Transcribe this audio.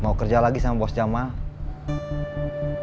mau kerja lagi sama bos jamaah